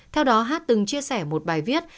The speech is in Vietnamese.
theo đó hát từng chia sẻ một bài viết